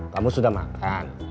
kamu sudah makan